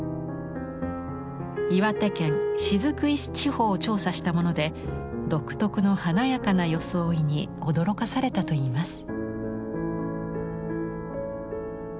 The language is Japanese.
岩手県雫石地方を調査したもので独特の華やかな装いに驚かされたといいます。